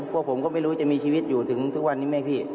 พวกผมก็ไม่รู้จะมีชีวิตอยู่ถึงทุกวันนี้ไหมพี่